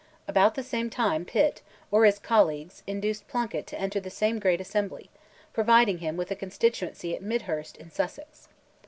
About the same time, Pitt, or his colleagues, induced Plunkett to enter the same great assembly, providing him with a constituency at Midhurst, in Sussex.